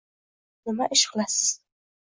Nima ish qilasiz?